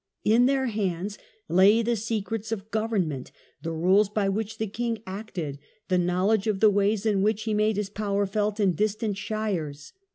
In their hands lay the secrets of government, the rules by which the king acted, the knowledge of the ways in which he made his power felt in distant shires.